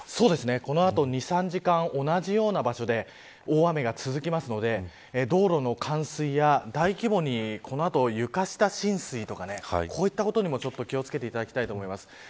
そうですね、この後２、３時間同じような場所で大雨が続くので道路の冠水や大規模に、この後床下浸水とかこういったことにも気を付けていただきたいと思います。